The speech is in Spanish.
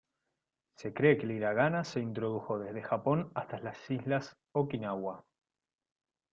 Se cree que el hiragana se introdujo desde Japón hasta las islas Okinawa.